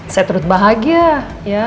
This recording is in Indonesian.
saya terus bahagia ya